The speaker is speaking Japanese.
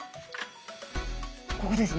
ここですね。